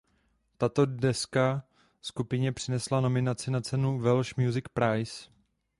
Tato deska skupině přinesla nominaci na cenu Welsh Music Prize.